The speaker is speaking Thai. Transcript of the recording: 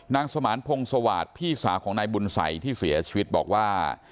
สมานพงศวาสพี่สาวของนายบุญสัยที่เสียชีวิตบอกว่า